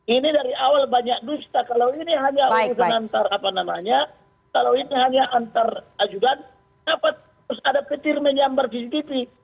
ini dari awal banyak dusta kalau ini hanya untuk antar apa namanya kalau ini hanya antar ajudan dapat terus ada petir menyambar cctv